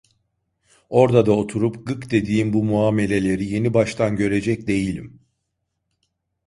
Orda da oturup gık dediğim bu muameleleri yeni baştan görecek değilim.